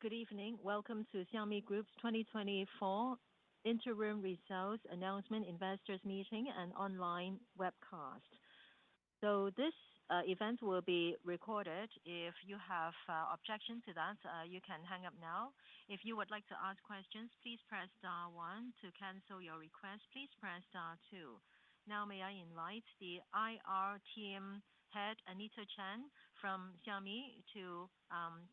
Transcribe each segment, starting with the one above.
Good evening. Welcome to Xiaomi Group's 2024 interim results announcement, investors meeting, and online webcast. So this event will be recorded. If you have objections to that, you can hang up now. If you would like to ask questions, please press star one. To cancel your request, please press star two. Now, may I invite the IR team head, Anita Chen, from Xiaomi to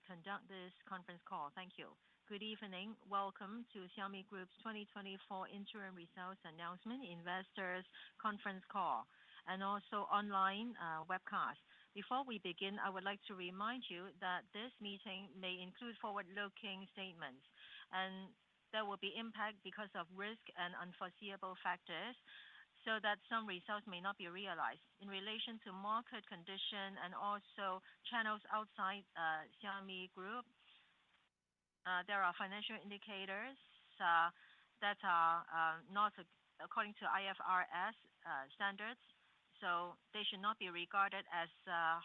conduct this conference call. Thank you. Good evening. Welcome to Xiaomi Group's 2024 interim results announcement, investors conference call, and also online webcast. Before we begin, I would like to remind you that this meeting may include forward-looking statements, and there will be impact because of risk and unforeseeable factors, so that some results may not be realized. In relation to market condition and also channels outside Xiaomi Group, there are financial indicators that are not according to IFRS standards, so they should not be regarded as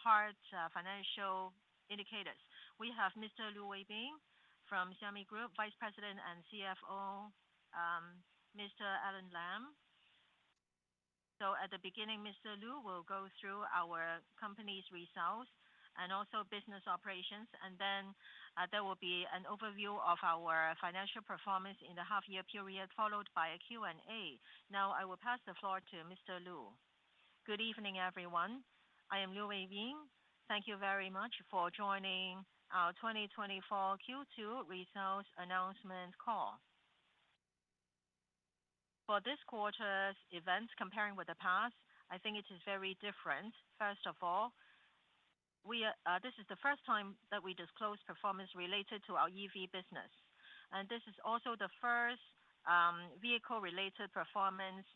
hard financial indicators. We have Mr. Lu Weibing from Xiaomi Group, and Vice President and CFO Mr. Alain Lam. So at the beginning, Mr. Lu will go through our company's results and also business operations, and then there will be an overview of our financial performance in the half-year period, followed by a Q&A. Now, I will pass the floor to Mr. Lu. Good evening, everyone. I am Lu Weibing. Thank you very much for joining our 2024 Q2 results announcement call. For this quarter's events, comparing with the past, I think it is very different. First of all, we are... This is the first time that we disclose performance related to our EV business, and this is also the first vehicle-related performance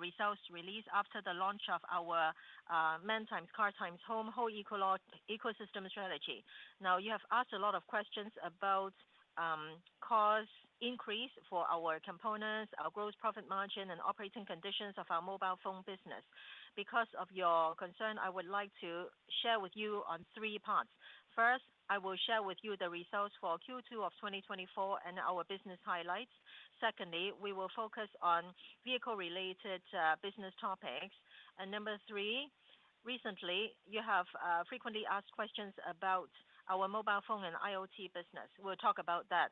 results release after the launch of our Human x Car x Home whole ecosystem strategy. Now, you have asked a lot of questions about cost increase for our components, our gross profit margin, and operating conditions of our mobile phone business. Because of your concern, I would like to share with you on three parts. First, I will share with you the results for Q2 of 2024 and our business highlights. Secondly, we will focus on vehicle-related business topics. And number three, recently, you have frequently asked questions about our mobile phone and IoT business. We'll talk about that.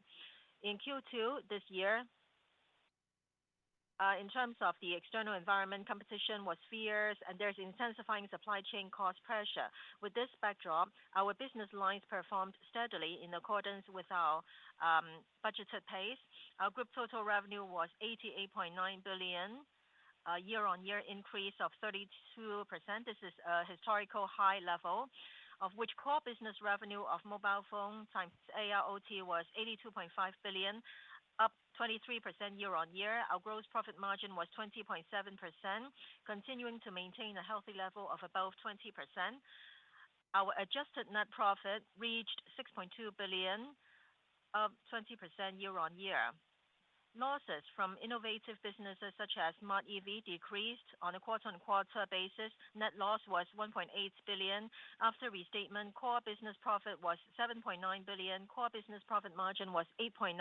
In Q2 this year, in terms of the external environment, competition was fierce and there's intensifying supply chain cost pressure. With this backdrop, our business lines performed steadily in accordance with our budgeted pace. Our group total revenue was 88.9 billion, a year-on-year increase of 32%. This is a historical high level, of which core business revenue of mobile phone x AIoT was 82.5 billion, up 23% year-on-year. Our gross profit margin was 20.7%, continuing to maintain a healthy level of above 20%. Our adjusted net profit reached 6.2 billion, up 20% year-on-year. Losses from innovative businesses, such as Smart EV, decreased on a quarter-on-quarter basis. Net loss was 1.8 billion. After restatement, core business profit was 7.9 billion. Core business profit margin was 8.9%.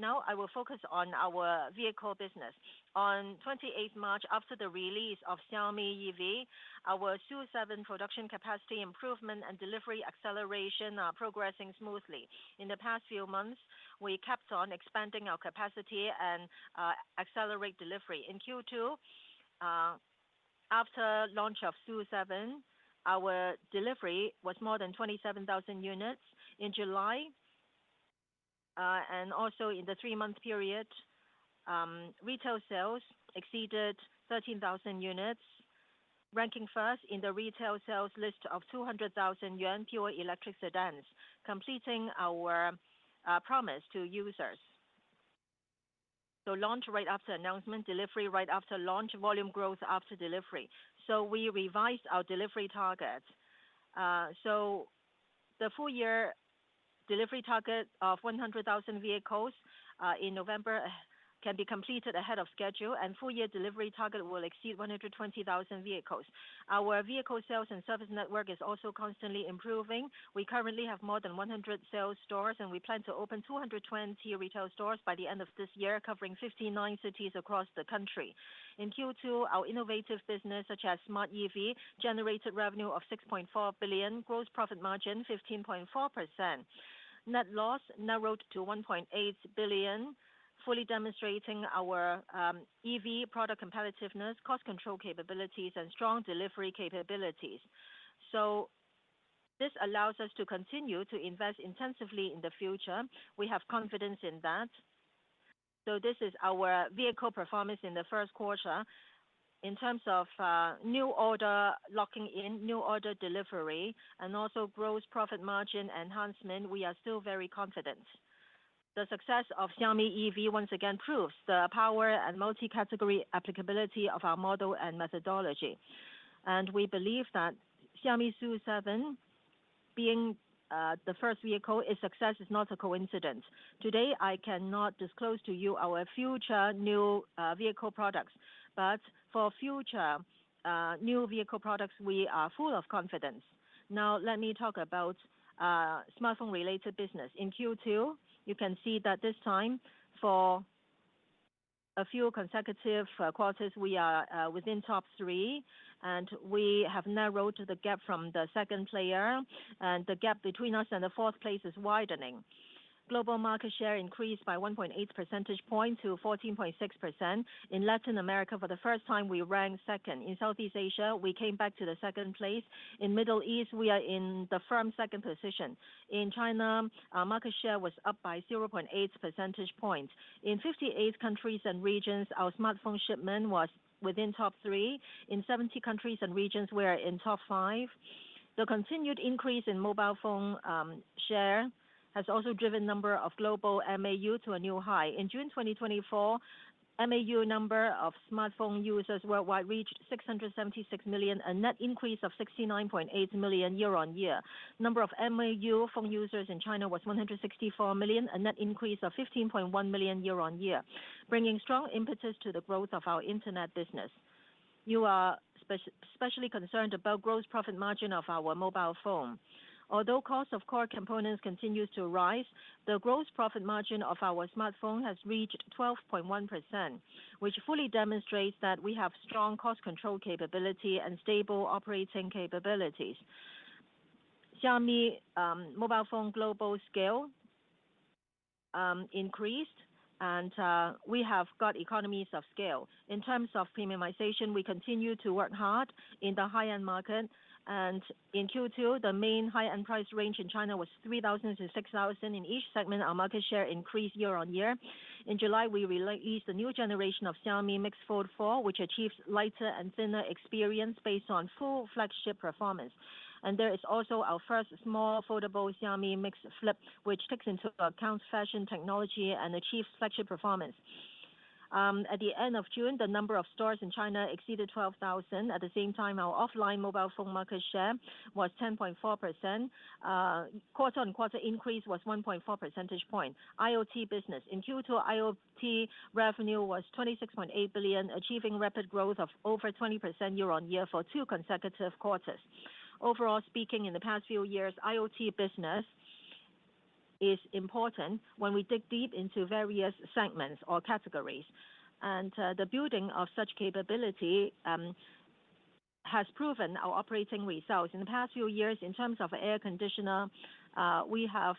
Now, I will focus on our vehicle business. On March 28th, after the release of Xiaomi EV, our SU7 production capacity improvement and delivery acceleration are progressing smoothly. In the past few months, we kept on expanding our capacity and accelerate delivery. In Q2, after launch of SU7, our delivery was more than 27,000 units in July. And also in the three-month period, retail sales exceeded 13,000 units, ranking first in the retail sales list of 200,000 yuan pure electric sedans, completing our promise to users, so launch right after announcement, delivery right after launch, volume growth after delivery, so we revised our delivery target. So the full year delivery target of 100,000 vehicles in November can be completed ahead of schedule, and full year delivery target will exceed 120,000 vehicles. Our vehicle sales and service network is also constantly improving. We currently have more than 100 sales stores, and we plan to open 220 retail stores by the end of this year, covering 59 cities across the country. In Q2, our innovative business, such as Smart EV, generated revenue of 6.4 billion, gross profit margin 15.4%. Net loss narrowed to 1.8 billion, fully demonstrating our EV product competitiveness, cost control capabilities, and strong delivery capabilities. So this allows us to continue to invest intensively in the future. We have confidence in that. So this is our vehicle performance in the first quarter. In terms of new order locking in, new order delivery, and also gross profit margin enhancement, we are still very confident. The success of Xiaomi EV once again proves the power and multi-category applicability of our model and methodology, and we believe that Xiaomi SU7, being the first vehicle, its success is not a coincidence. Today, I cannot disclose to you our future new vehicle products, but for future new vehicle products, we are full of confidence. Now, let me talk about smartphone-related business. In Q2, you can see that this time, for a few consecutive quarters, we are within top three, and we have narrowed the gap from the second player, and the gap between us and the fourth place is widening. Global market share increased by 1.8 percentage point to 14.6%. In Latin America, for the first time, we ranked second. In Southeast Asia, we came back to the second place. In Middle East, we are in the firm second position. In China, our market share was up by 0.8 percentage point. In 58 countries and regions, our smartphone shipment was within top three. In 70 countries and regions, we are in top five. The continued increase in mobile phone share has also driven number of global MAU to a new high. In June 2024, MAU number of smartphone users worldwide reached 676 million, a net increase of 69.8 million year-on-year. Number of MAU phone users in China was 164 million, a net increase of 15.1 million year-on-year, bringing strong impetus to the growth of our internet business. You are specially concerned about gross profit margin of our mobile phone. Although cost of core components continues to rise, the gross profit margin of our smartphone has reached 12.1%, which fully demonstrates that we have strong cost control capability and stable operating capabilities. Xiaomi mobile phone global scale increased, and we have got economies of scale. In terms of premiumization, we continue to work hard in the high-end market, and in Q2, the main high-end price range in China was 3,000-6,000. In each segment, our market share increased year-on-year. In July, we released a new generation of Xiaomi MIX Fold 4, which achieves lighter and thinner experience based on full flagship performance. There is also our first small foldable Xiaomi MIX Flip, which takes into account fashion, technology and achieves flagship performance. At the end of June, the number of stores in China exceeded 12,000. At the same time, our offline mobile phone market share was 10.4%. Quarter-on-quarter increase was 1.4 percentage points. IoT business. In Q2, IoT revenue was 26.8 billion, achieving rapid growth of over 20% year-on-year for two consecutive quarters. Overall speaking, in the past few years, IoT business is important when we dig deep into various segments or categories. The building of such capability has proven our operating results. In the past few years in terms of air conditioner, we have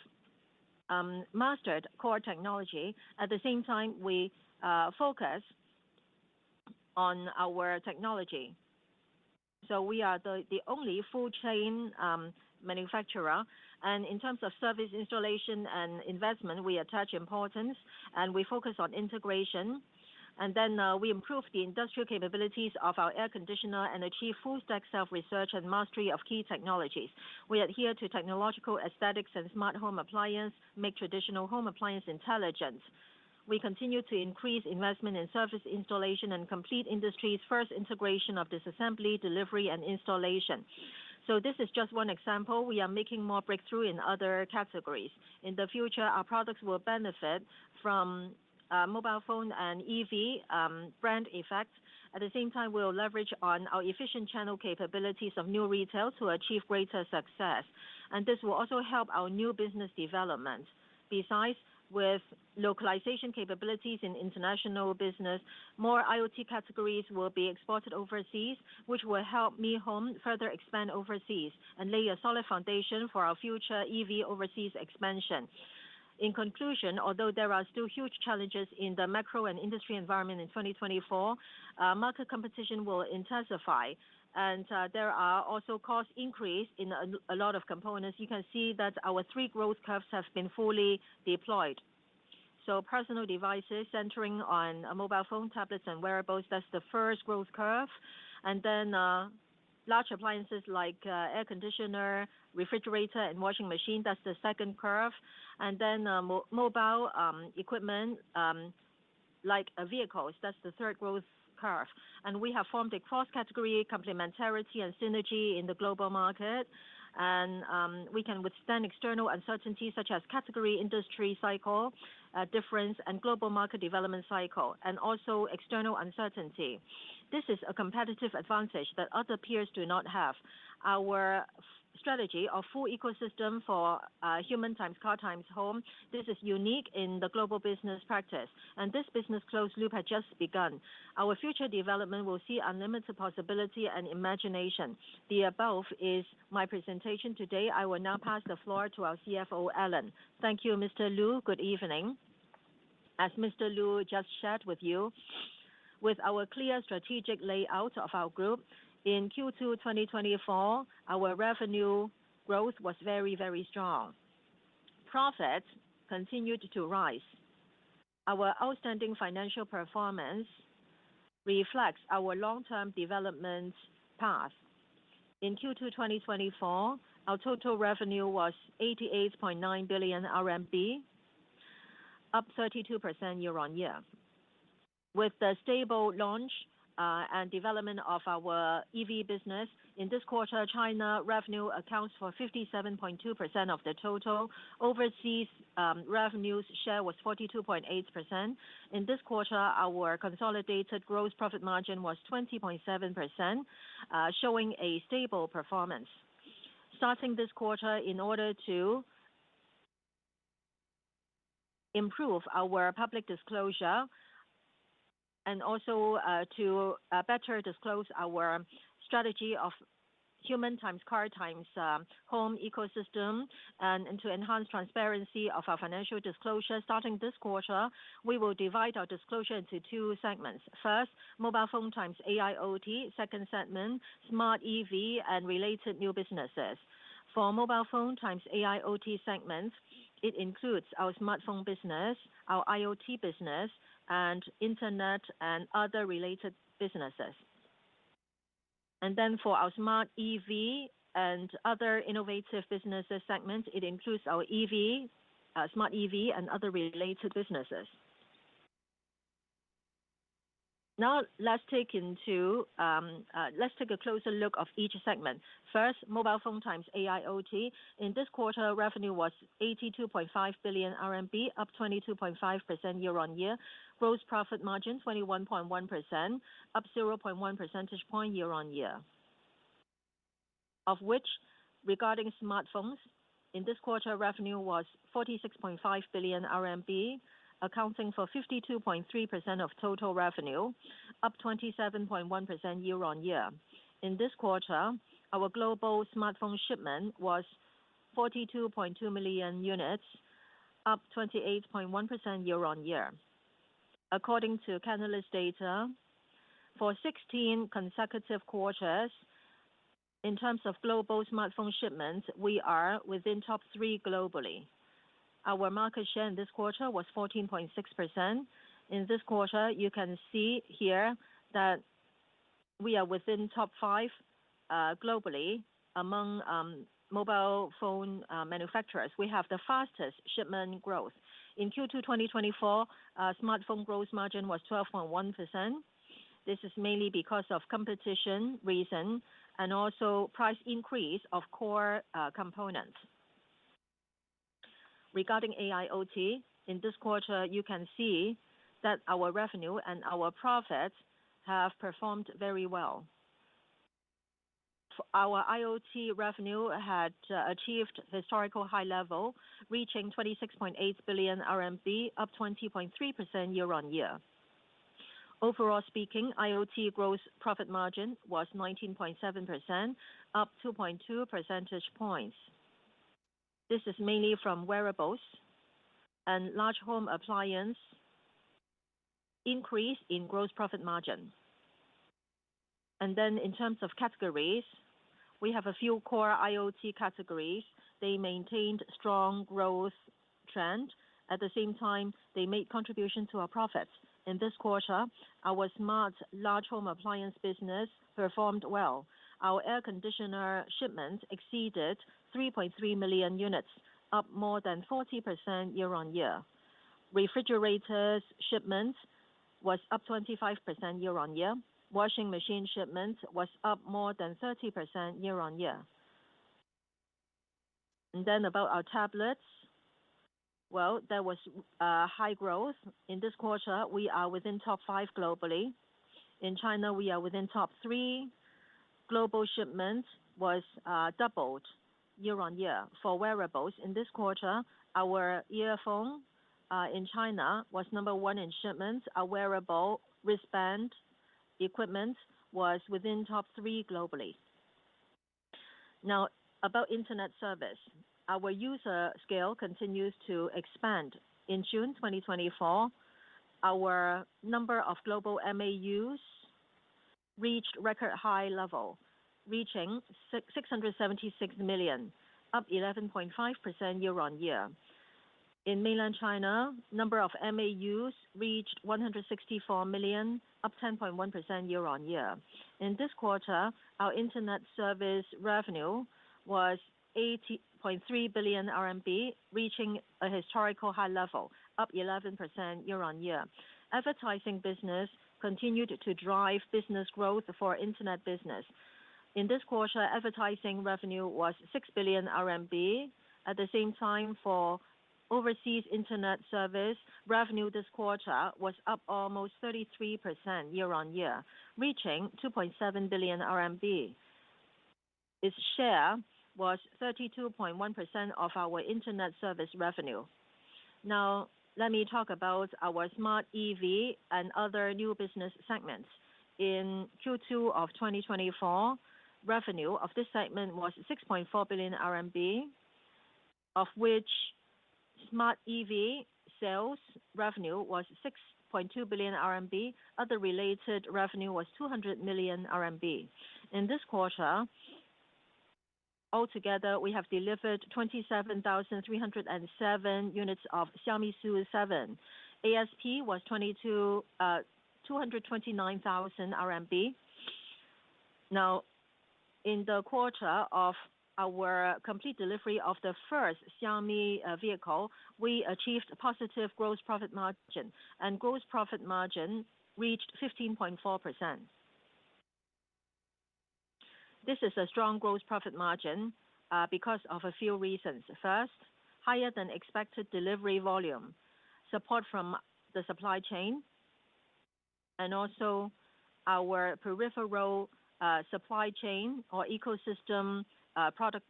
mastered core technology. At the same time, we focus on our technology. So we are the only full chain manufacturer, and in terms of service installation and investment, we attach importance, and we focus on integration, and then we improve the industrial capabilities of our air conditioner and achieve full stack self-research and mastery of key technologies. We adhere to technological aesthetics and smart home appliance, make traditional home appliance intelligent. We continue to increase investment in service installation and complete industries, first integration of this assembly, delivery, and installation. So this is just one example. We are making more breakthrough in other categories. In the future, our products will benefit from mobile phone and EV brand effect. At the same time, we'll leverage on our efficient channel capabilities of new retail to achieve greater success, and this will also help our new business development. Besides, with localization capabilities in international business, more IoT categories will be exported overseas, which will help Mi Home further expand overseas and lay a solid foundation for our future EV overseas expansion. In conclusion, although there are still huge challenges in the macro and industry environment in 2024, market competition will intensify, and there are also cost increase in a lot of components. You can see that our three growth curves have been fully deployed. So personal devices centering on mobile phone, tablets, and wearables, that's the first growth curve. And then, large appliances like air conditioner, refrigerator and washing machine, that's the second curve. And then, mobile equipment, like vehicles, that's the third growth curve. We have formed a cross-category, complementarity and synergy in the global market, and we can withstand external uncertainty, such as category, industry, cycle, difference, and global market development cycle, and also external uncertainty. This is a competitive advantage that other peers do not have. Our strategy of full ecosystem for Human x Car x Home. This is unique in the global business practice, and this business closed loop has just begun. Our future development will see unlimited possibility and imagination. The above is my presentation today. I will now pass the floor to our CFO, Alain. Thank you, Mr. Lu. Good evening. As Mr. Lu just shared with you, with our clear strategic layout of our group in Q2 2024, our revenue growth was very, very strong. Profits continued to rise. Our outstanding financial performance reflects our long-term development path. In Q2 2024, our total revenue was 88.9 billion RMB, up 32% year-on-year. With the stable launch and development of our EV business, in this quarter, China revenue accounts for 57.2% of the total. Overseas, revenues share was 42.8%. In this quarter, our consolidated gross profit margin was 20.7%, showing a stable performance. Starting this quarter, in order to improve our public disclosure and also to better disclose our strategy of Human x Car x Home ecosystem, and to enhance transparency of our financial disclosure. Starting this quarter, we will divide our disclosure into two segments. First, mobile phone x AIoT. Second segment, smart EV and related new businesses. For mobile phone x AIoT segments, it includes our smartphone business, our IoT business, and internet, and other related businesses. And then for our Smart EV and other innovative businesses segments, it includes our EV, Smart EV and other related businesses. Now let's take a closer look at each segment. First, mobile phone and AIoT. In this quarter, revenue was 82.5 billion RMB, up 22.5% year-on-year. Gross profit margin 21.1%, up 0.1 percentage point year-on-year. Of which, regarding smartphones, in this quarter, revenue was 46.5 billion RMB, accounting for 52.3% of total revenue, up 27.1% year-on-year. In this quarter, our global smartphone shipment was 42.2 million units, up 28.1% year-on-year. According to Canalys data, for 16 consecutive quarters, in terms of global smartphone shipments, we are within top three globally. Our market share in this quarter was 14.6%. In this quarter, you can see here that we are within top five globally among mobile phone manufacturers. We have the fastest shipment growth. In Q2 2024, smartphone gross margin was 12.1%. This is mainly because of competition reason and also price increase of core components. Regarding AIoT, in this quarter, you can see that our revenue and our profits have performed very well. Our IoT revenue had achieved historical high level, reaching 26.8 billion RMB, up 20.3% year-on-year. Overall speaking, IoT gross profit margin was 19.7%, up 2.2 percentage points. This is mainly from wearables and large home appliance increase in gross profit margin. And then in terms of categories, we have a few core IoT categories. They maintained strong growth trend. At the same time, they made contribution to our profits. In this quarter, our smart large home appliance business performed well. Our air conditioner shipment exceeded 3.3 million units, up more than 40% year-on-year. Refrigerators shipments was up 25% year-on-year. Washing machine shipments was up more than 30% year-on-year. And then about our tablets. Well, there was high growth. In this quarter, we are within top five globally. In China, we are within top three. Global shipments was doubled year-on-year. For wearables, in this quarter, our earphone in China was number one in shipments. Our wearable wristband equipment was within top three globally. Now, about internet service. Our user scale continues to expand. In June 2024, our number of global MAUs reached record high level, reaching 676 million, up 11.5% year-on-year. In mainland China, the number of MAUs reached 164 million, up 10.1% year-on-year. In this quarter, our internet service revenue was 80.3 billion RMB, reaching a historical high level, up 11% year-on-year. Advertising business continued to drive business growth for internet business. In this quarter, advertising revenue was 6 billion RMB. At the same time, for overseas internet service, revenue this quarter was up almost 33% year-on-year, reaching 2.7 billion RMB. Its share was 32.1% of our internet service revenue. Now, let me talk about our Smart EV and other new business segments. In Q2 of 2024, revenue of this segment was 6.4 billion RMB, of which Smart EV sales revenue was 6.2 billion RMB. Other related revenue was 200 million RMB. In this quarter, altogether, we have delivered 27,307 units of Xiaomi SU7. ASP was 229,000 RMB. Now, in the quarter of our complete delivery of the first Xiaomi vehicle, we achieved positive gross profit margin, and gross profit margin reached 15.4%. This is a strong gross profit margin because of a few reasons. First, higher than expected delivery volume, support from the supply chain, and also our peripheral supply chain or ecosystem product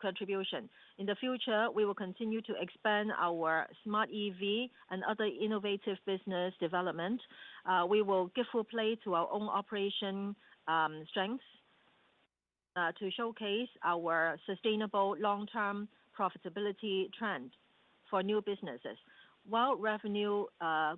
contribution. In the future, we will continue to expand our Smart EV and other innovative business development. We will give full play to our own operation strengths to showcase our sustainable long-term profitability trend for new businesses. While revenue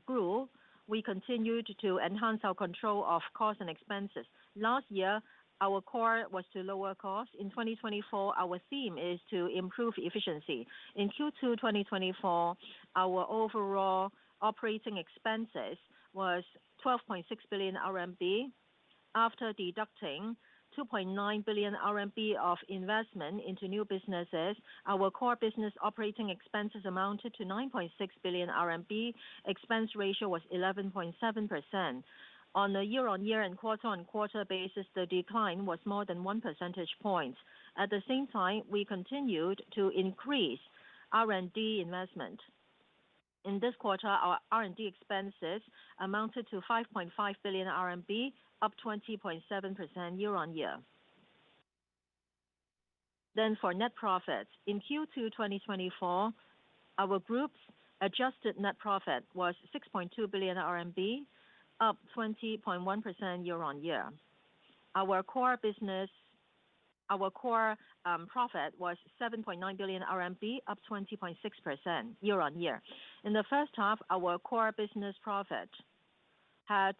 grew, we continued to enhance our control of cost and expenses. Last year, our core was to lower cost. In 2024, our theme is to improve efficiency. In Q2 2024, our overall operating expenses was 12.6 billion RMB, after deducting 2.9 billion RMB of investment into new businesses, our core business operating expenses amounted to 9.6 billion RMB, expense ratio was 11.7%. On a year-on-year and quarter-on-quarter basis, the decline was more than one percentage point. At the same time, we continued to increase R&D investment. In this quarter, our R&D expenses amounted to 5.5 billion RMB, up 20.7% year-on-year. Then for net profit, in Q2 2024, our group's adjusted net profit was 6.2 billion RMB, up 20.1% year-on-year. Our core business profit was 7.9 billion RMB, up 20.6% year on year. In the first half, our core business profit had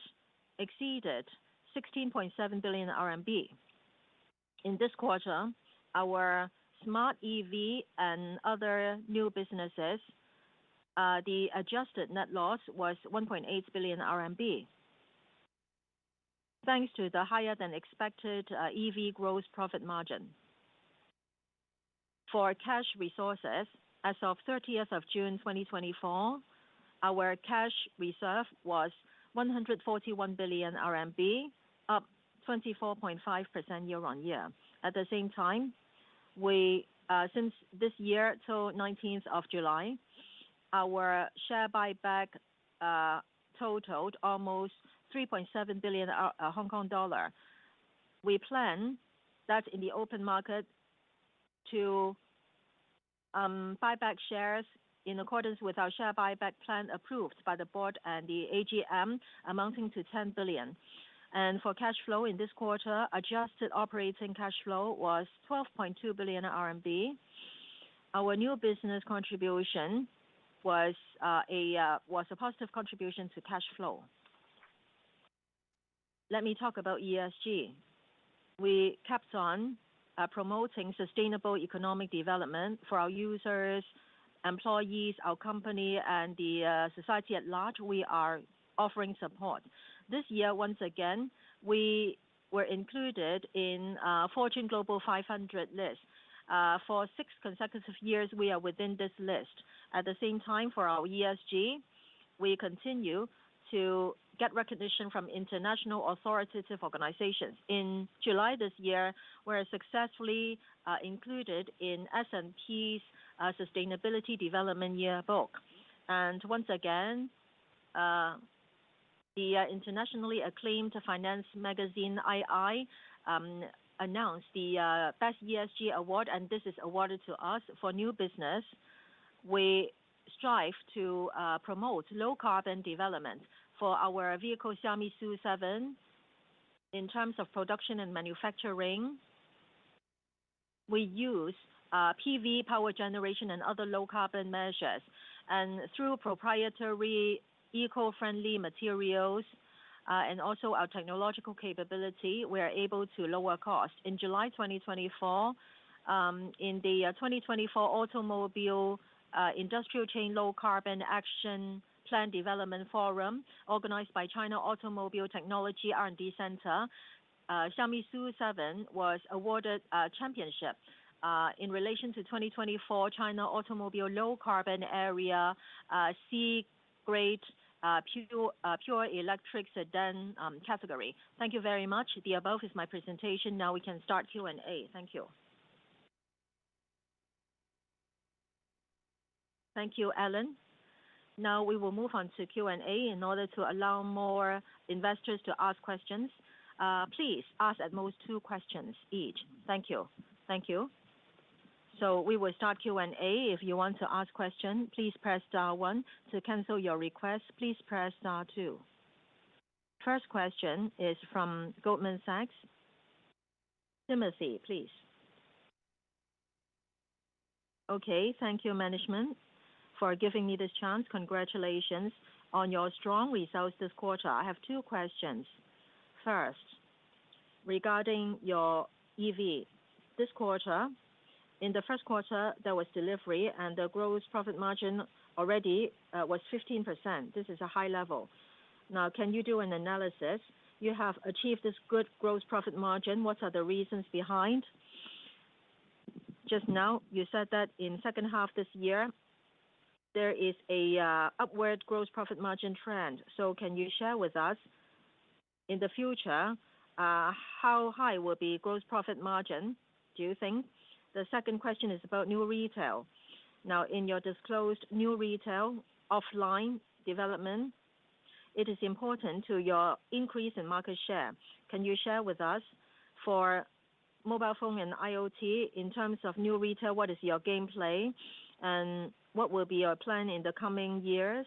exceeded 16.7 billion RMB. In this quarter, our Smart EV and other new businesses, the adjusted net loss was 1.8 billion RMB, thanks to the higher-than-expected EV gross profit margin. For our cash resources, as of 30th of June, 2024, our cash reserve was 141 billion RMB, up 24.5% year on year. At the same time, we since this year till 19th of July, our share buyback totaled almost 3.7 billion Hong Kong dollar. We plan that in the open market to buy back shares in accordance with our share buyback plan, approved by the board and the AGM, amounting to 10 billion. And for cash flow in this quarter, adjusted operating cash flow was 12.2 billion RMB. Our new business contribution was a positive contribution to cash flow. Let me talk about ESG. We kept on promoting sustainable economic development for our users, employees, our company, and the society at large. We are offering support. This year, once again, we were included in Fortune Global 500 list. For six consecutive years, we are within this list. At the same time, for our ESG, we continue to get recognition from international authoritative organizations. In July this year, we were successfully included in S&P Global's Sustainability Yearbook. Once again, the internationally acclaimed finance magazine, II, announced the Best ESG Award, and this is awarded to us for new business. We strive to promote low carbon development for our vehicle, Xiaomi SU7. In terms of production and manufacturing, we use PV power generation and other low carbon measures, and through proprietary eco-friendly materials and also our technological capability, we are able to lower cost. In July 2024, in the 2024 automobile industrial chain Low Carbon Action Plan Development Forum, organized by China Automotive Technology and Research Center, Xiaomi SU7 was awarded a championship in relation to 2024 China Automobile Low Carbon Area, C-Class pure electric sedan category. Thank you very much. The above is my presentation. Now we can start Q&A. Thank you. Thank you, Alain. Now we will move on to Q&A in order to allow more investors to ask questions. Please ask at most two questions each. Thank you. Thank you. So we will start Q&A. If you want to ask question, please press star one. To cancel your request, please press star two. First question is from Goldman Sachs. Timothy, please. Okay, thank you, management, for giving me this chance. Congratulations on your strong results this quarter. I have two questions. First, regarding your EV. This quarter, in the first quarter, there was delivery, and the gross profit margin already was 15%. This is a high level. Now, can you do an analysis? You have achieved this good gross profit margin. What are the reasons behind? Just now, you said that in second half this year, there is a upward gross profit margin trend. So can you share with us? In the future, how high will be gross profit margin, do you think? The second question is about new retail. Now, in your disclosed new retail offline development, it is important to your increase in market share. Can you share with us for mobile phone and IoT, in terms of new retail, what is your game plan and what will be your plan in the coming years?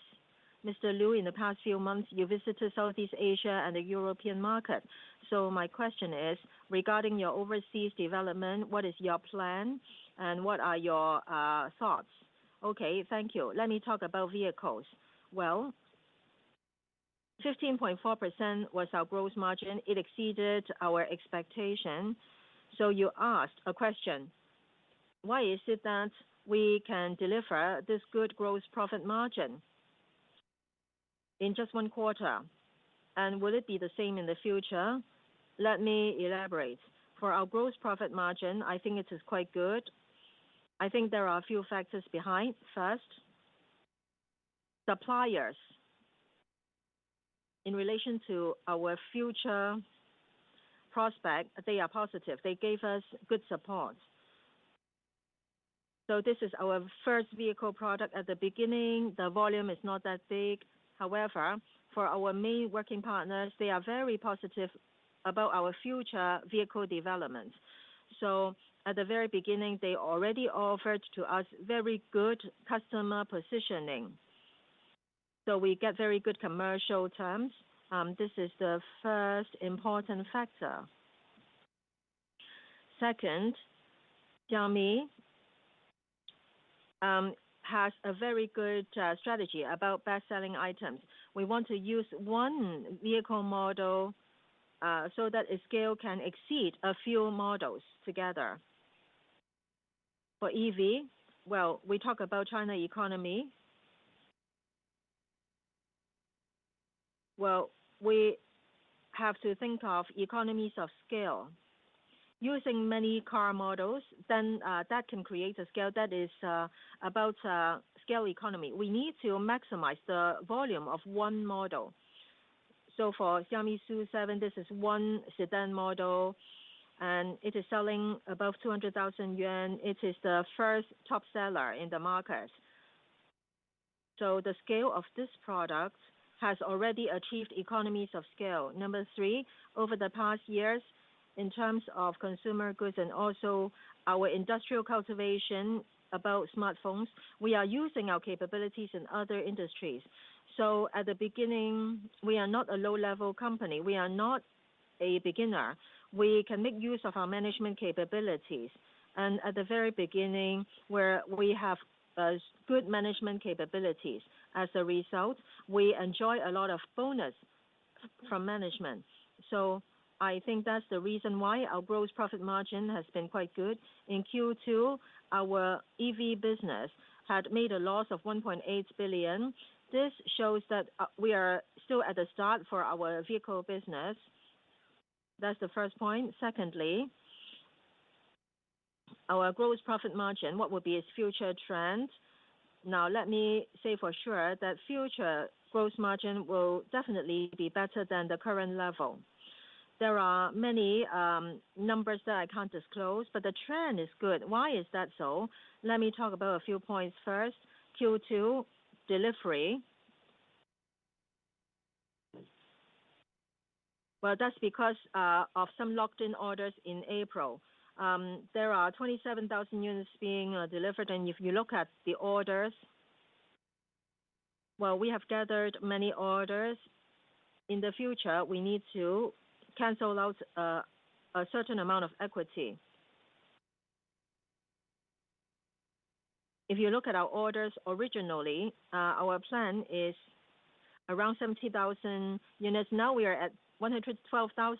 Mr. Lu, in the past few months, you visited Southeast Asia and the European market. So my question is, regarding your overseas development, what is your plan and what are your thoughts? Okay, thank you. Let me talk about vehicles. Well, 15.4% was our gross margin. It exceeded our expectation. So you asked a question: Why is it that we can deliver this good gross profit margin in just one quarter? Will it be the same in the future? Let me elaborate. For our gross profit margin, I think it is quite good. I think there are a few factors behind. First, suppliers. In relation to our future prospect, they are positive. They gave us good support. So this is our first vehicle product. At the beginning, the volume is not that big. However, for our main working partners, they are very positive about our future vehicle development. So at the very beginning, they already offered to us very good customer positioning. So we get very good commercial terms. This is the first important factor. Second, Xiaomi has a very good strategy about bestselling items. We want to use one vehicle model so that its scale can exceed a few models together. For EV, we talk about China economy. We have to think of economies of scale. Using many car models, then, that can create a scale that is about scale economy. We need to maximize the volume of one model. So for Xiaomi SU7, this is one sedan model, and it is selling above 200,000 yuan. It is the first top seller in the market. So the scale of this product has already achieved economies of scale. Number three, over the past years, in terms of consumer goods and also our industrial cultivation about smartphones, we are using our capabilities in other industries. So at the beginning, we are not a low-level company. We are not a beginner. We can make use of our management capabilities, and at the very beginning, where we have good management capabilities. As a result, we enjoy a lot of bonus from management. I think that's the reason why our gross profit margin has been quite good. In Q2, our EV business had made a loss of 1.8 billion. This shows that we are still at the start for our vehicle business. That's the first point. Secondly, our gross profit margin, what would be its future trend? Now, let me say for sure that future gross margin will definitely be better than the current level. There are many numbers that I can't disclose, but the trend is good. Why is that so? Let me talk about a few points. First, Q2 delivery. That's because of some locked-in orders in April. There are 27,000 units being delivered, and if you look at the orders... We have gathered many orders. In the future, we need to cancel out a certain amount of equity. If you look at our orders originally, our plan is around 70,000 units. Now we are at 112,000,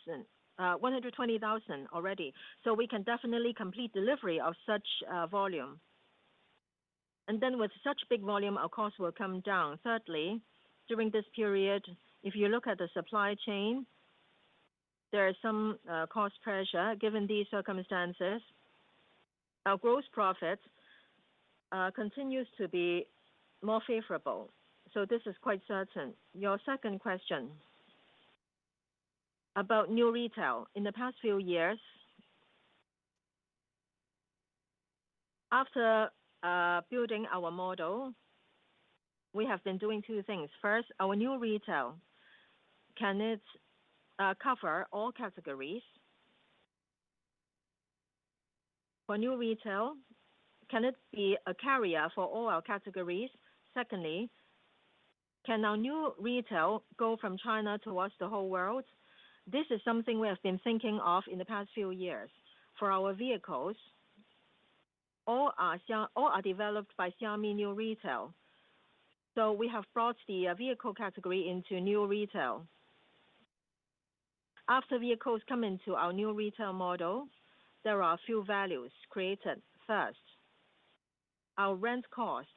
120,000 already, so we can definitely complete delivery of such volume, and then with such big volume, our cost will come down. Thirdly, during this period, if you look at the supply chain, there is some cost pressure. Given these circumstances, our gross profit continues to be more favorable, so this is quite certain. Your second question about new retail. In the past few years, after building our model, we have been doing two things. First, our new retail, can it cover all categories? For new retail, can it be a carrier for all our categories? Secondly, can our new retail go from China towards the whole world? This is something we have been thinking of in the past few years. For our vehicles, all are developed by Xiaomi New Retail. So we have brought the vehicle category into new retail. After vehicles come into our new retail model, there are a few values created. First, our rent cost,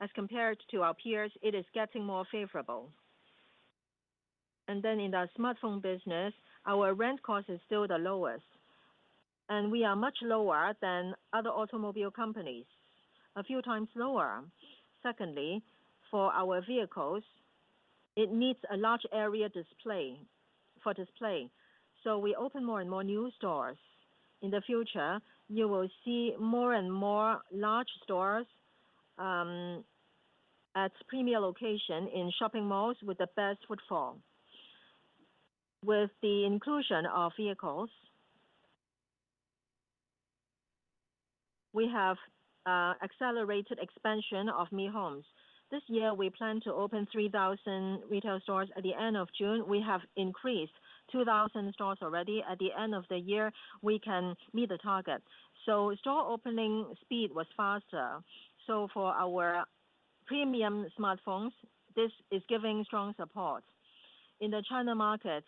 as compared to our peers, it is getting more favorable. And then in the smartphone business, our rent cost is still the lowest. And we are much lower than other automobile companies, a few times lower. Secondly, for our vehicles, it needs a large area display, for display, so we open more and more new stores. In the future, you will see more and more large stores at premier location in shopping malls with the best footfall. With the inclusion of vehicles, we have accelerated expansion of Mi Homes. This year, we plan to open 3,000 retail stores. At the end of June, we have increased 2,000 stores already. At the end of the year, we can meet the target. So store opening speed was faster. So for our premium smartphones, this is giving strong support. In the China market,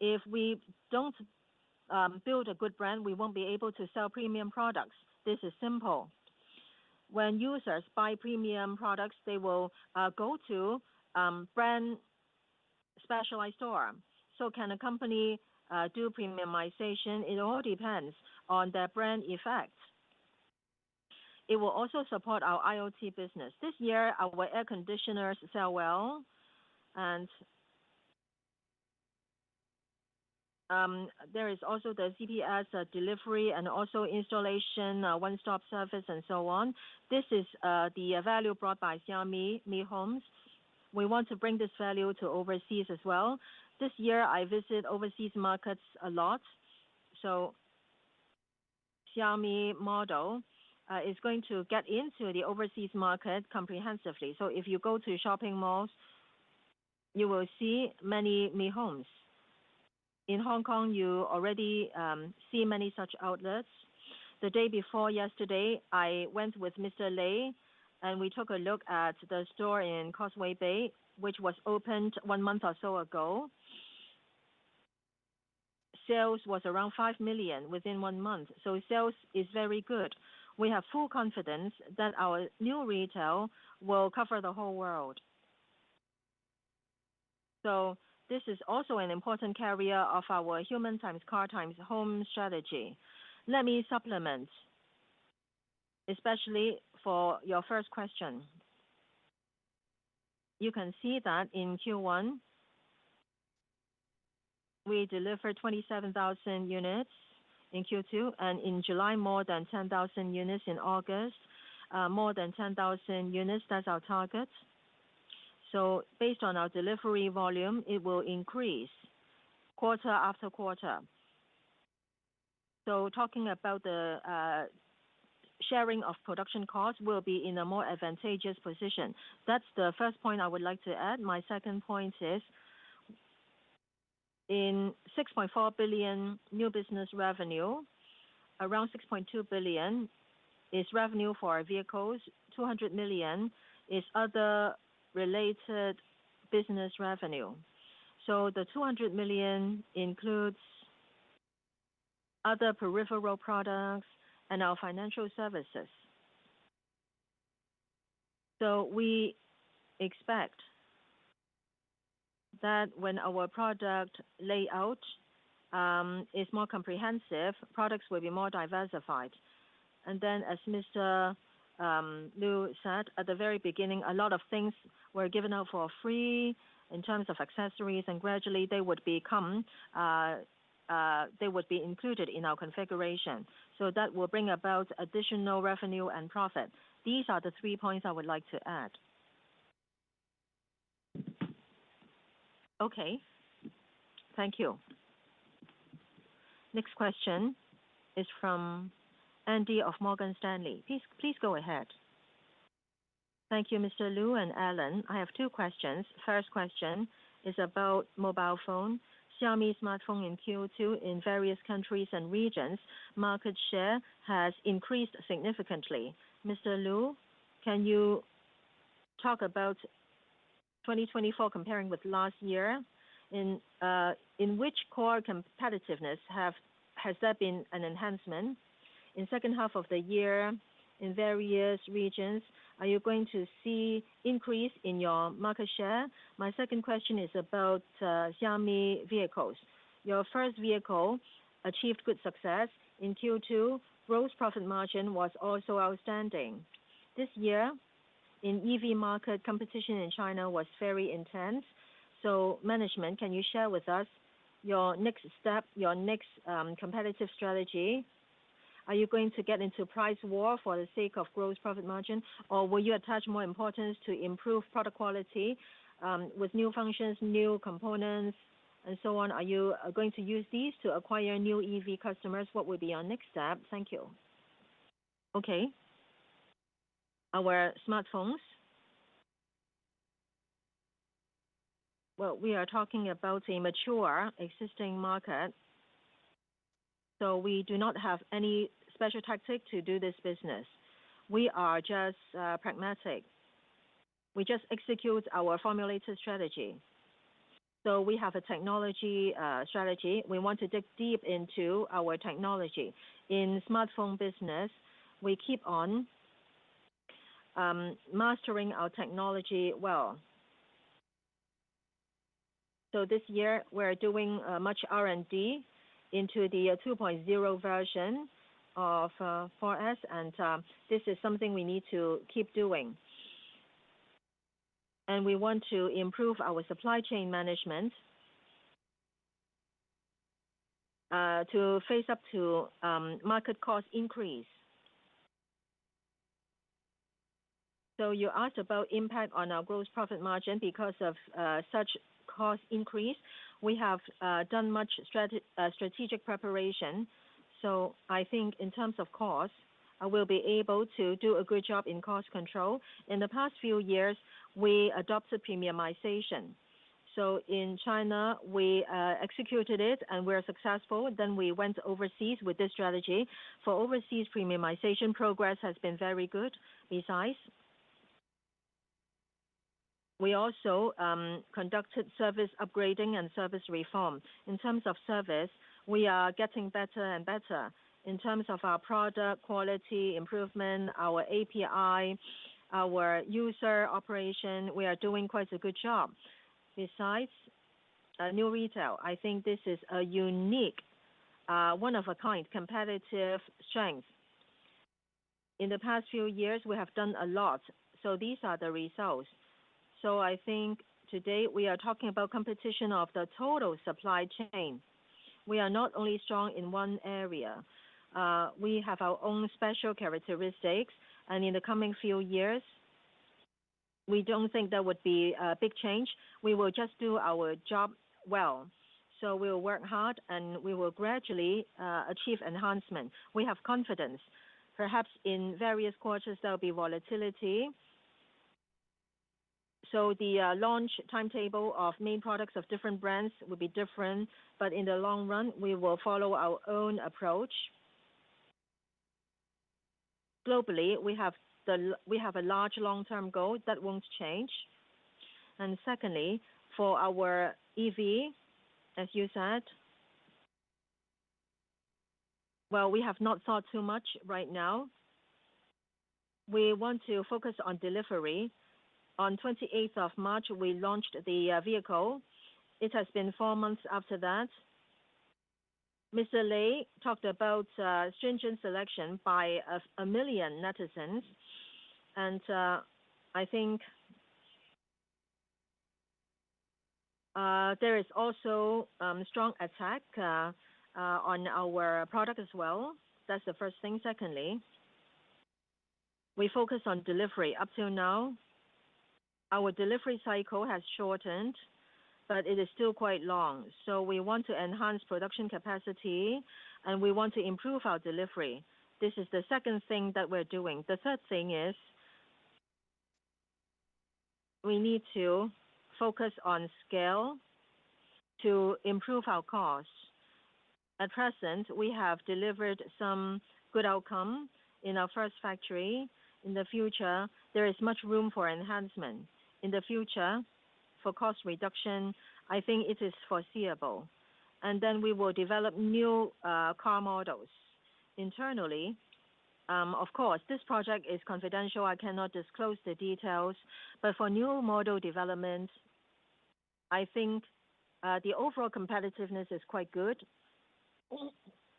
if we don't build a good brand, we won't be able to sell premium products. This is simple. When users buy premium products, they will go to brand specialized store. So can a company do premiumization? It all depends on their brand effect. It will also support our IoT business. This year, our air conditioners sell well, and there is also the CPS delivery and also installation one-stop service and so on. This is the value brought by Xiaomi Mi Home stores. We want to bring this value to overseas as well. This year, I visit overseas markets a lot, so Xiaomi model is going to get into the overseas market comprehensively, so if you go to shopping malls, you will see many Mi Homes. In Hong Kong, you already see many such outlets. The day before yesterday, I went with Mr. Lei, and we took a look at the store in Causeway Bay, which was opened one month or so ago. Sales was around 5 million within one month, so sales is very good. We have full confidence that our new retail will cover the whole world. So this is also an important carrier of our Human x Car x Home strategy. Let me supplement, especially for your first question. You can see that in Q1, we delivered 27,000 units. In Q2, and in July, more than 10,000 units, in August, more than 10,000 units. That's our target. So based on our delivery volume, it will increase quarter after quarter. So talking about the sharing of production costs, we'll be in a more advantageous position. That's the first point I would like to add. My second point is, in 6.4 billion new business revenue, around 6.2 billion is revenue for our vehicles. 200 million is other related business revenue. So the 200 million includes other peripheral products and our financial services. So we expect that when our product layout is more comprehensive, products will be more diversified. And then, as Mr. Lu said at the very beginning, a lot of things were given out for free in terms of accessories, and gradually they would become, they would be included in our configuration. So that will bring about additional revenue and profit. These are the three points I would like to add. Okay, thank you. Next question is from Andy of Morgan Stanley. Please go ahead. Thank you, Mr. Lu and Alain. I have two questions. First question is about mobile phone. Xiaomi smartphone in Q2 in various countries and regions, market share has increased significantly. Mr. Lu, can you talk about 2024 comparing with last year? In which core competitiveness has there been an enhancement? In second half of the year, in various regions, are you going to see increase in your market share? My second question is about Xiaomi vehicles. Your first vehicle achieved good success in Q2. Gross profit margin was also outstanding. This year, in EV market, competition in China was very intense. So management, can you share with us your next step, your next competitive strategy? Are you going to get into price war for the sake of gross profit margin, or will you attach more importance to improve product quality with new functions, new components, and so on? Are you going to use these to acquire new EV customers? What will be your next step? Thank you. Okay. Our smartphones. Well, we are talking about a mature existing market, so we do not have any special tactic to do this business. We are just pragmatic. We just execute our formulated strategy. So we have a technology strategy. We want to dig deep into our technology. In smartphone business, we keep on mastering our technology well, so this year, we're doing much R&D into the 2.0 version of OS, and this is something we need to keep doing, and we want to improve our supply chain management to face up to market cost increase, so you asked about impact on our gross profit margin because of such cost increase. We have done much strategic preparation, so I think in terms of cost, I will be able to do a good job in cost control. In the past few years, we adopted premiumization, so in China, we executed it, and we are successful, then we went overseas with this strategy. For overseas, premiumization progress has been very good. Besides, we also conducted service upgrading and service reform. In terms of service, we are getting better and better. In terms of our product, quality, improvement, our API, our user operation, we are doing quite a good job. Besides, new retail, I think this is a unique, one-of-a-kind competitive strength. In the past few years, we have done a lot, so these are the results. So I think today we are talking about competition of the total supply chain. We are not only strong in one area, we have our own special characteristics, and in the coming few years, we don't think there would be a big change. We will just do our job well. So we'll work hard, and we will gradually achieve enhancement. We have confidence. Perhaps in various quarters, there'll be volatility. So the launch timetable of main products of different brands will be different, but in the long run, we will follow our own approach. Globally, we have a large long-term goal. That won't change. And secondly, for our EV, as you said, we have not thought too much right now. We want to focus on delivery. On March 28th, we launched the vehicle. It has been four months after that. Mr. Lei talked about stringent selection by a million netizens, and I think there is also strong attack on our product as well. That's the first thing. Secondly, we focus on delivery. Up till now, our delivery cycle has shortened, but it is still quite long. So we want to enhance production capacity, and we want to improve our delivery. This is the second thing that we're doing. The third thing is, we need to focus on scale to improve our costs. At present, we have delivered some good outcome in our first factory. In the future, there is much room for enhancement. In the future, for cost reduction, I think it is foreseeable, and then we will develop new, car models. Internally, of course, this project is confidential. I cannot disclose the details, but for new model development, I think, the overall competitiveness is quite good.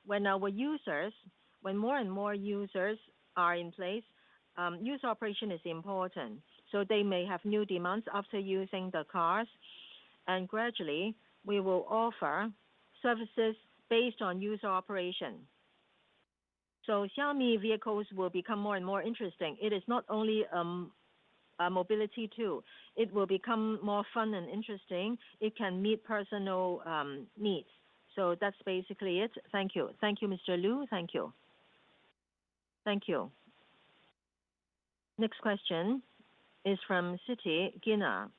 When our users, when more and more users are in place, user operation is important. So they may have new demands after using the cars, and gradually, we will offer services based on user operation. So Xiaomi vehicles will become more and more interesting. It is not only, a mobility tool, it will become more fun and interesting. It can meet personal needs. So that's basically it. Thank you. Thank you, Mr. Lu. Thank you. Thank you. Next question is from Citi Kyna.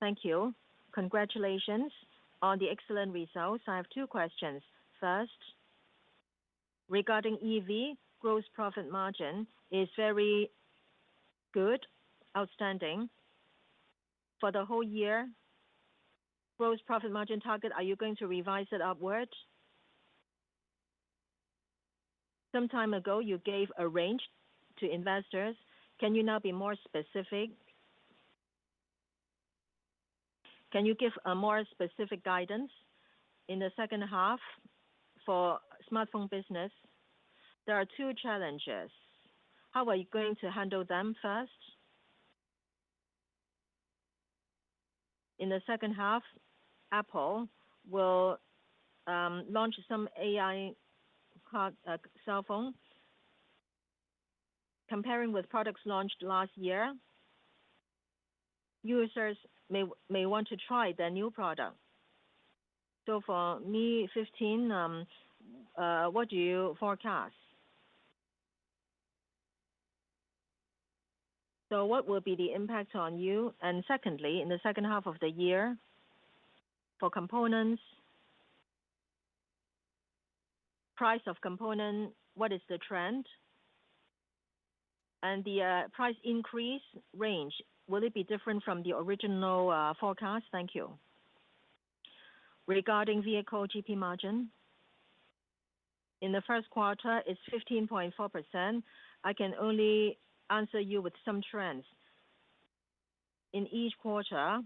Thank you. Congratulations on the excellent results. I have two questions. First, regarding EV, gross profit margin is very good, outstanding. For the whole year, gross profit margin target, are you going to revise it upwards? Some time ago, you gave a range to investors. Can you now be more specific? Can you give a more specific guidance in the second half for smartphone business? There are two challenges. How are you going to handle them first? In the second half, Apple will launch some AI capable cell phone. Comparing with products launched last year, users may want to try the new product. So for Mi 15, what do you forecast? So what will be the impact on you? Secondly, in the second half of the year, for components, price of component, what is the trend? And the price increase range, will it be different from the original forecast? Thank you. Regarding vehicle GP margin. In the first quarter, it's 15.4%. I can only answer you with some trends. In each quarter,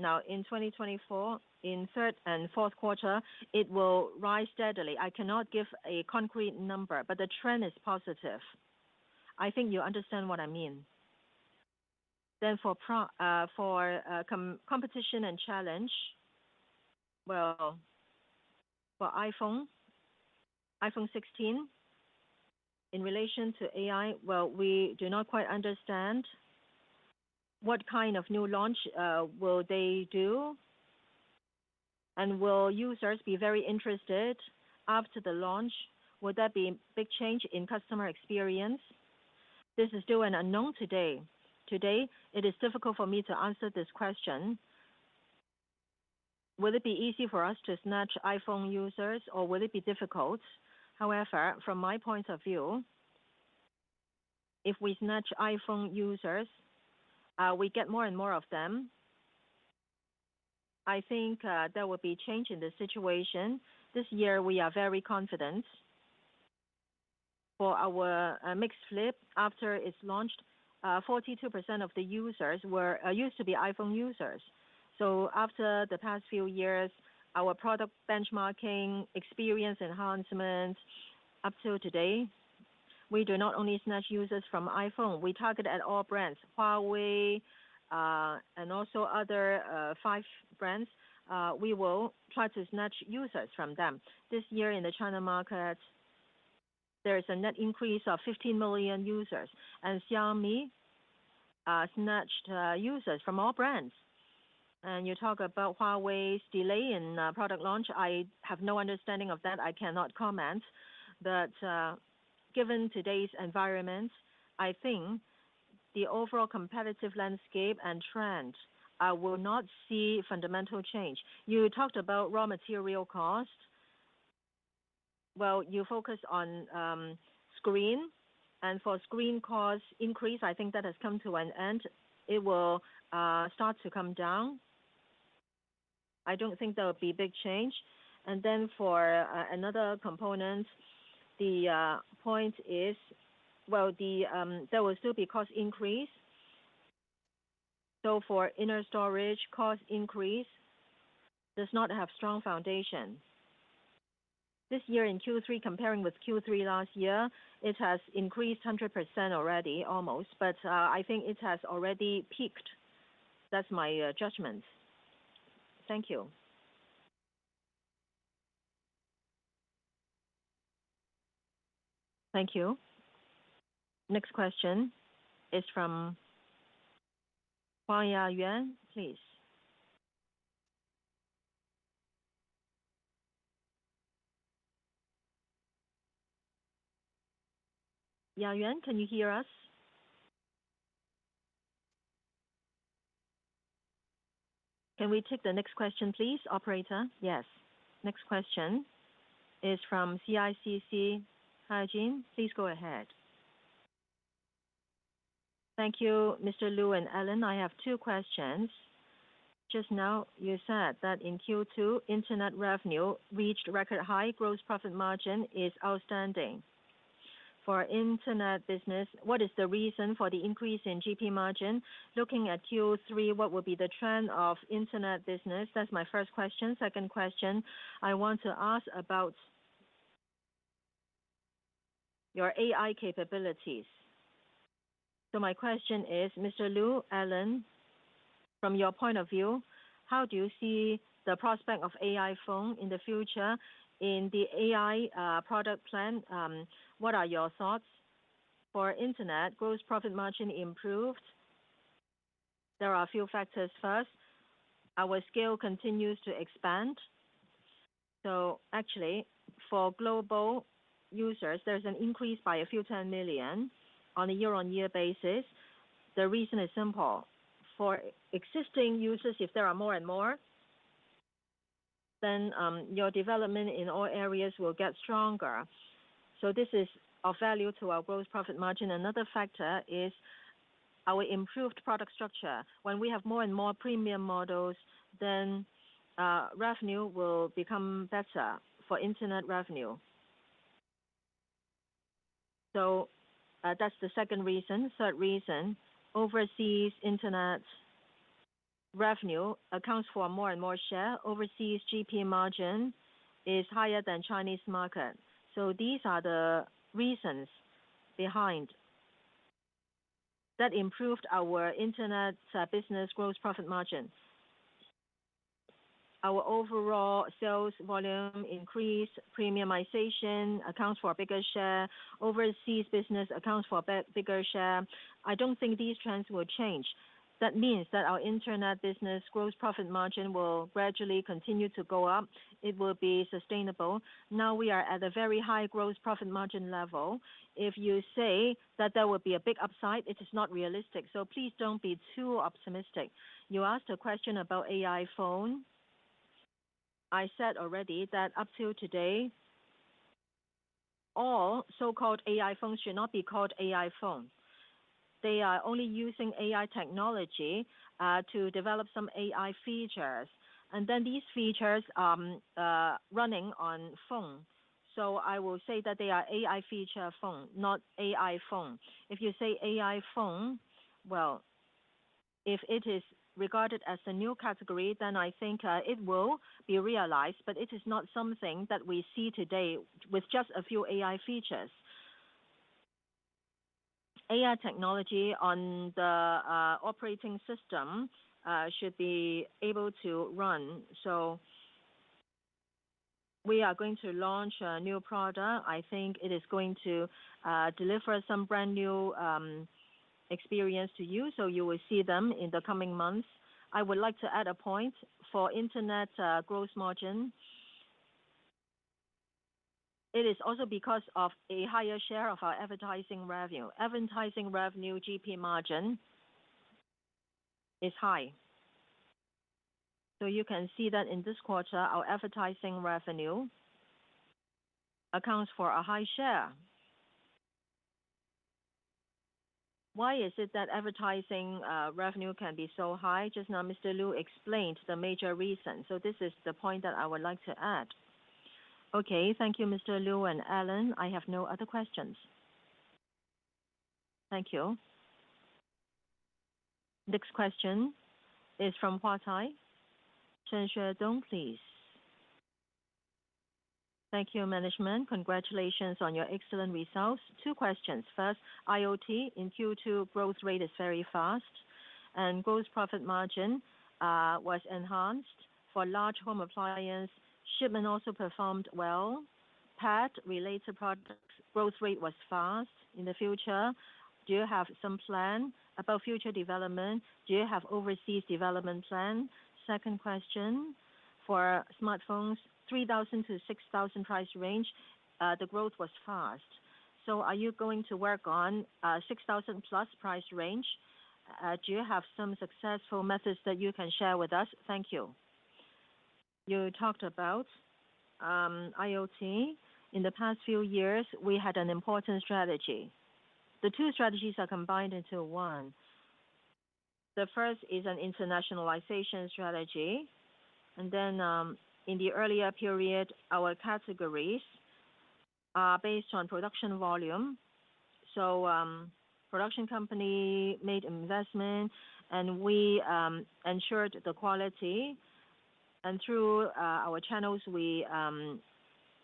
now, in 2024, in third and fourth quarter, it will rise steadily. I cannot give a concrete number, but the trend is positive. I think you understand what I mean. For competition and challenge, well, for iPhone, iPhone 16, in relation to AI, well, we do not quite understand what kind of new launch will they do, and will users be very interested after the launch? Will there be a big change in customer experience? This is still an unknown today. Today, it is difficult for me to answer this question. Will it be easy for us to snatch iPhone users, or will it be difficult? However, from my point of view, if we snatch iPhone users, we get more and more of them. I think there will be change in the situation. This year we are very confident. For our MIX Flip, after it's launched, 42% of the users were used to be iPhone users. So after the past few years, our product benchmarking, experience enhancement, up till today, we do not only snatch users from iPhone, we target at all brands, Huawei, and also other five brands. We will try to snatch users from them. This year in the China market, there is a net increase of 15 million users, and Xiaomi snatched users from all brands. And you talk about Huawei's delay in product launch. I have no understanding of that. I cannot comment. But, given today's environment, I think the overall competitive landscape and trend will not see fundamental change. You talked about raw material cost. Well, you focus on screen, and for screen cost increase, I think that has come to an end. It will start to come down. I don't think there will be a big change. And then for another component, the point is, well, there will still be cost increase. So for inner storage, cost increase does not have strong foundation. This year in Q3, comparing with Q3 last year, it has increased 100% already, almost, but I think it has already peaked. That's my judgment. Thank you. Thank you. Next question is from Huang Yayuan, please. Huang Yayuan, can you hear us? Can we take the next question, please, operator? Yes. Next question is from CICC. Hi, Hanjing. Please go ahead. Thank you, Mr. Lu and Alain. I have two questions. Just now, you said that in Q2, internet revenue reached record high. Gross profit margin is outstanding. For internet business, what is the reason for the increase in GP margin? Looking at Q3, what will be the trend of internet business? That's my first question. Second question, I want to ask about your AI capabilities. So my question is, Mr. Lu, Alain, from your point of view, how do you see the prospect of AI phone in the future? In the AI product plan, what are your thoughts? For internet, gross profit margin improved. There are a few factors. First, our scale continues to expand. So actually, for global users, there's an increase by a few 10 million on a year-on-year basis. The reason is simple. For existing users, if there are more and more, then, your development in all areas will get stronger. So this is of value to our gross profit margin. Another factor is our improved product structure. When we have more and more premium models, then, revenue will become better for internet revenue. So, that's the second reason. Third reason, overseas internet revenue accounts for more and more share. Overseas GP margin is higher than Chinese market. So these are the reasons behind that improved our internet, business gross profit margin. Our overall sales volume increase, premiumization accounts for a bigger share. Overseas business accounts for a bigger share. I don't think these trends will change. That means that our internet business gross profit margin will gradually continue to go up. It will be sustainable. Now we are at a very high gross profit margin level. If you say that there will be a big upside, it is not realistic. So please don't be too optimistic. You asked a question about AI phone. I said already that up till today, all so-called AI phones should not be called AI phone. They are only using AI technology to develop some AI features, and then these features are running on phone. So I will say that they are AI feature phone, not AI phone. If you say AI phone, well, if it is regarded as a new category, then I think it will be realized, but it is not something that we see today with just a few AI features. AI technology on the operating system should be able to run. So we are going to launch a new product. I think it is going to deliver some brand new experience to you, so you will see them in the coming months. I would like to add a point for internet gross margin. It is also because of a higher share of our advertising revenue. Advertising revenue GP margin is high. So you can see that in this quarter, our advertising revenue accounts for a high share. Why is it that advertising revenue can be so high? Just now, Mr. Lu explained the major reason, so this is the point that I would like to add. Okay. Thank you, Mr. Lu and Alain. I have no other questions. Thank you. Next question is from Huatai. Shen Xuedong, please. Thank you, management. Congratulations on your excellent results. Two questions. First, IoT in Q2 growth rate is very fast, and gross profit margin was enhanced for large home appliance. Shipment also performed well. Pad related products, growth rate was fast. In the future, do you have some plan about future development? Do you have overseas development plan? Second question, for smartphones, 3,000-6,000 price range, the growth was fast. So are you going to work on 6,000+ price range? Do you have some successful methods that you can share with us? Thank you. You talked about IoT. In the past few years, we had an important strategy. The two strategies are combined into one. The first is an internationalization strategy, and then in the earlier period, our categories are based on production volume. So, production company made investment, and we ensured the quality, and through our channels, we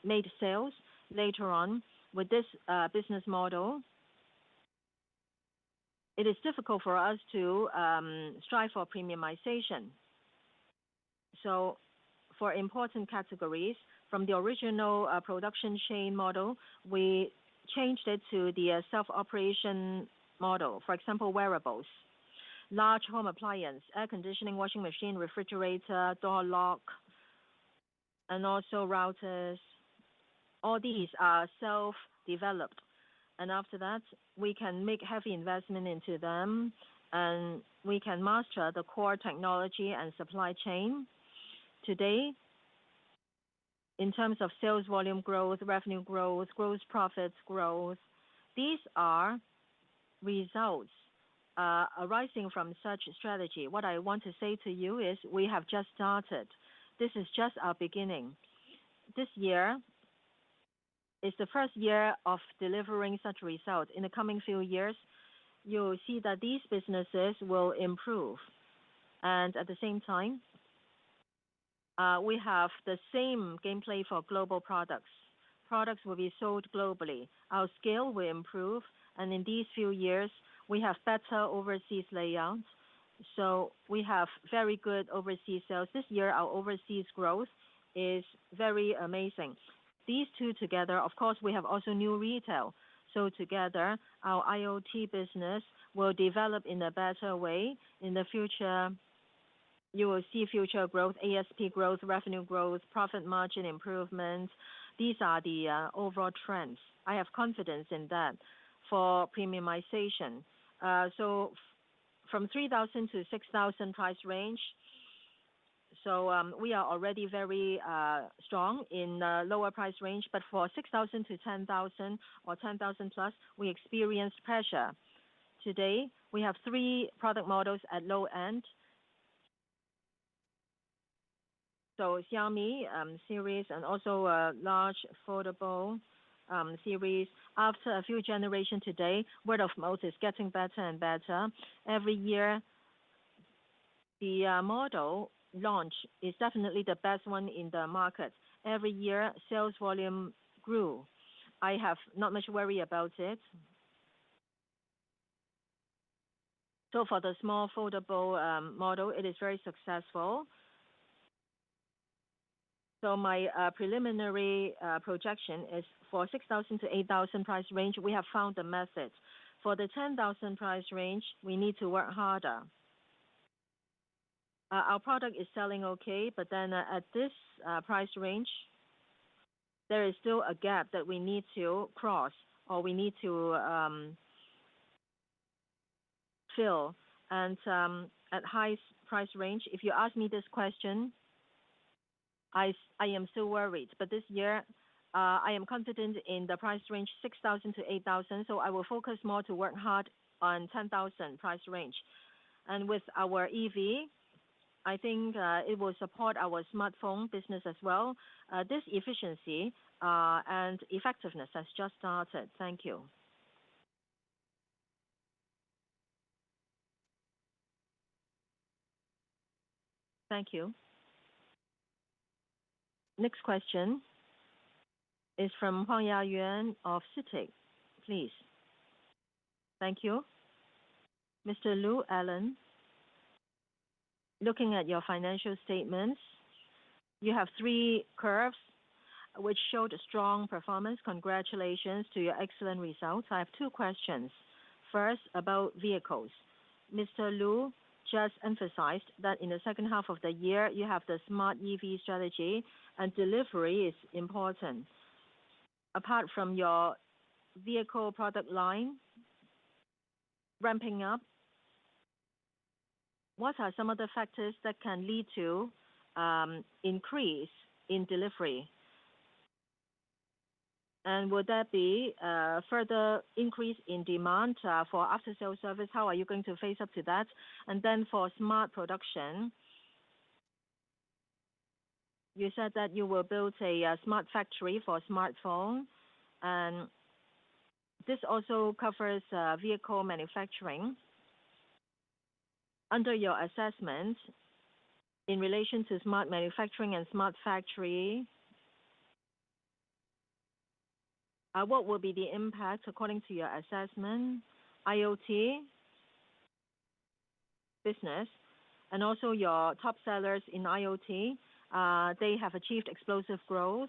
made sales. Later on, with this business model, it is difficult for us to strive for premiumization. So for important categories, from the original production chain model, we changed it to the self-operation model. For example, wearables, large home appliance, air conditioning, washing machine, refrigerator, door lock, and also routers. All these are self-developed, and after that, we can make heavy investment into them, and we can master the core technology and supply chain. Today, in terms of sales volume growth, revenue growth, growth profits growth, these are results arising from such a strategy. What I want to say to you is we have just started. This is just our beginning. This year is the first year of delivering such result. In the coming few years, you will see that these businesses will improve, and at the same time, we have the same gameplay for global products. Products will be sold globally. Our scale will improve, and in these few years, we have better overseas layout, so we have very good overseas sales. This year, our overseas growth is very amazing. These two together. Of course, we have also new retail, so together, our IoT business will develop in a better way. In the future, you will see future growth, ASP growth, revenue growth, profit margin improvement. These are the overall trends. I have confidence in that for premiumization. So from 3,000-6,000 price range, so, we are already very strong in the lower price range, but for 6,000-10,000 or 10,000+, we experience pressure. Today, we have three product models at low end. So Xiaomi series and also a large foldable series. After a few generations today, word of mouth is getting better and better. Every year, the model launch is definitely the best one in the market. Every year, sales volume grew. I have not much worry about it. So for the small foldable model, it is very successful. So my preliminary projection is for 6,000-8,000 price range, we have found a method. For the 10,000 price range, we need to work harder. Our product is selling okay, but then at this price range, there is still a gap that we need to cross or we need to fill. And at high-end price range, if you ask me this question... I, I am still worried, but this year, I am confident in the price range 6,000-8,000, so I will focus more to work hard on 10,000 price range. And with our EV, I think, it will support our smartphone business as well. This efficiency and effectiveness has just started. Thank you. Thank you. Next question is from Huang Yayuan of CITIC, please. Thank you. Mr. Lu, Alain, looking at your financial statements, you have three curves which showed a strong performance. Congratulations to your excellent results. I have two questions. First, about vehicles. Mr. Lu just emphasized that in the second half of the year, you have the Smart EV strategy and delivery is important. Apart from your vehicle product line ramping up, what are some of the factors that can lead to increase in delivery? And would there be a further increase in demand for after-sale service? How are you going to face up to that? And then for smart production, you said that you will build a smart factory for smartphone, and this also covers vehicle manufacturing. Under your assessment, in relation to smart manufacturing and smart factory, what will be the impact according to your assessment, IoT business, and also your top sellers in IoT? They have achieved explosive growth.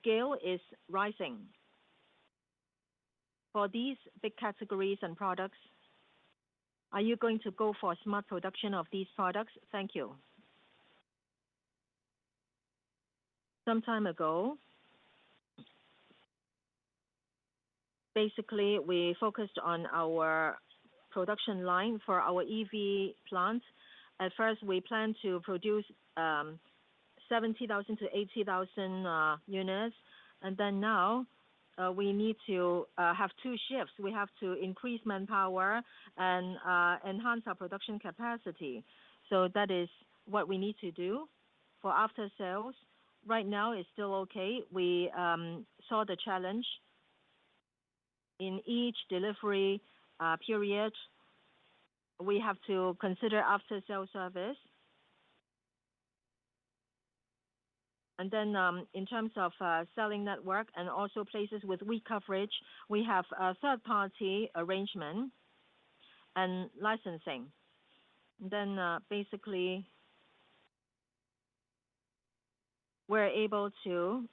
Scale is rising. For these big categories and products, are you going to go for smart production of these products? Thank you. Some time ago, basically, we focused on our production line for our EV plant. At first, we planned to produce 70,000-80,000 units, and then now we need to have two shifts. We have to increase manpower and enhance our production capacity. So that is what we need to do. For after sales, right now it's still okay. We saw the challenge. In each delivery period, we have to consider after-sale service. And then, in terms of selling network and also places with weak coverage, we have a third-party arrangement and licensing. Then, basically we're able to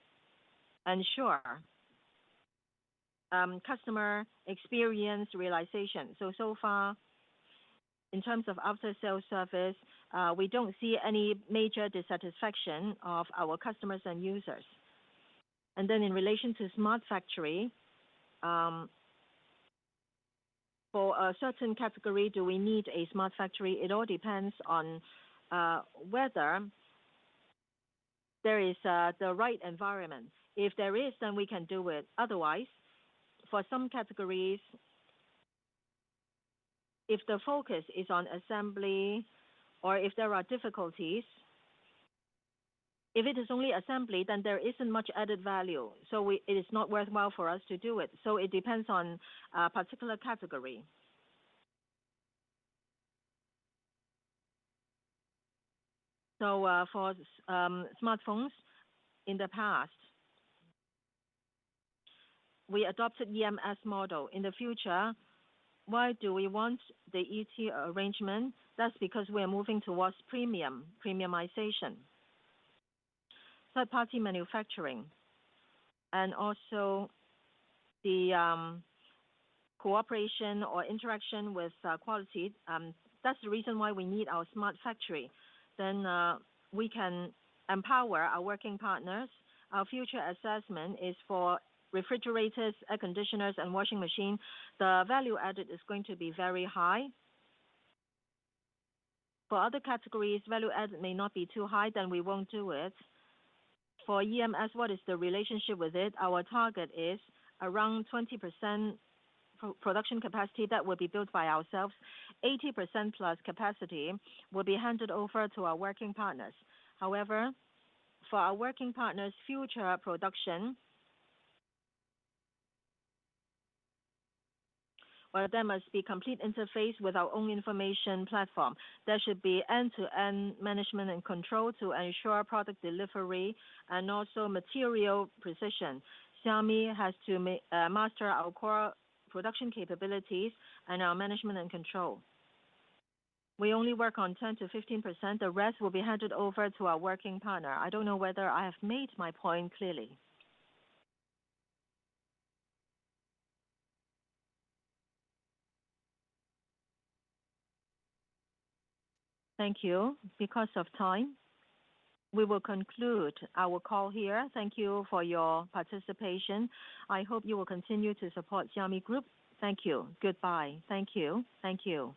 ensure customer experience realization. So, so far, in terms of after-sale service, we don't see any major dissatisfaction of our customers and users. And then in relation to smart factory, for a certain category, do we need a smart factory? It all depends on whether there is the right environment. If there is, then we can do it. Otherwise, for some categories, if the focus is on assembly or if there are difficulties, if it is only assembly, then there isn't much added value, so it is not worthwhile for us to do it. It depends on a particular category. For smartphones, in the past, we adopted EMS model. In the future, why do we want the OEM arrangement? That's because we are moving towards premium, premiumization, third-party manufacturing, and also the cooperation or interaction with quality. That's the reason why we need our smart factory. We can empower our working partners. Our future assessment is for refrigerators, air conditioners, and washing machine. The value added is going to be very high. For other categories, value added may not be too high, then we won't do it. For EMS, what is the relationship with it? Our target is around 20% pre-production capacity that will be built by ourselves. 80%+ capacity will be handed over to our working partners. However, for our working partners' future production, well, there must be complete interface with our own information platform. There should be end-to-end management and control to ensure product delivery and also material precision. Xiaomi has to master our core production capabilities and our management and control. We only work on 10%-15%. The rest will be handed over to our working partner. I don't know whether I have made my point clearly. Thank you. Because of time, we will conclude our call here. Thank you for your participation. I hope you will continue to support Xiaomi Group. Thank you. Goodbye. Thank you. Thank you.